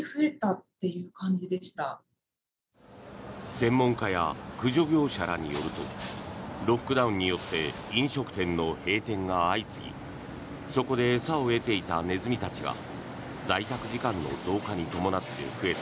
専門家や駆除業者らによるとロックダウンによって飲食店の閉店が相次ぎそこで餌を得ていたネズミたちが在宅時間の増加に伴って増えた